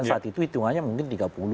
saat itu hitungannya mungkin tiga puluh